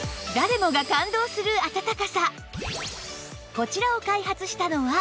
こちらを開発したのは